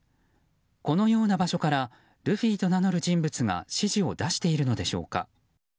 このような場所からルフィと名乗る人物が指示を出しているのでしょうか。